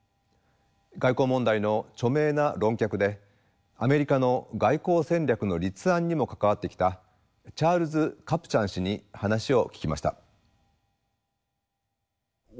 外交問題の著名な論客でアメリカの外交戦略の立案にも関わってきたチャールズ・カプチャン氏に話を聞きました。